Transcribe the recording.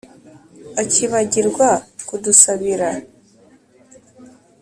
Akibagirwa kudusabira